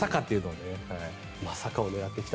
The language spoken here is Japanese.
まさかを狙ってきた。